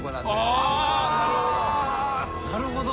なるほど。